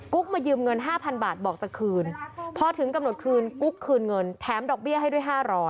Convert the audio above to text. มายืมเงิน๕๐๐บาทบอกจะคืนพอถึงกำหนดคืนกุ๊กคืนเงินแถมดอกเบี้ยให้ด้วย๕๐๐